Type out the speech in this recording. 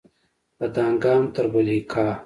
له دانګام تر بلهیکا